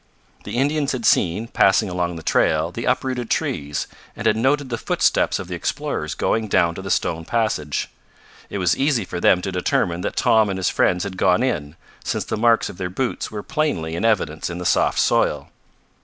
The Indians had seen, passing along the trail, the uprooted trees, and had noted the footsteps of the explorers going down to the stone passage. It was easy for them to determine that Tom and his friends had gone in, since the marks of their boots were plainly in evidence in the soft soil.